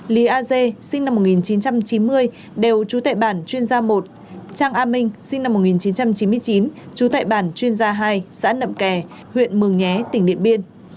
lý a dê sinh năm một nghìn chín trăm chín mươi đều trú tại bản chuyên gia một trang a minh sinh năm một nghìn chín trăm chín mươi chín trú tại bản chuyên gia hai xã nậm kè huyện mường nhé tỉnh điện biên